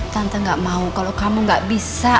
tante gak mau kalau kamu nggak bisa